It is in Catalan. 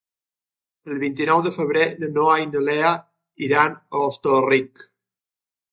El vint-i-nou de febrer na Noa i na Lea iran a Hostalric.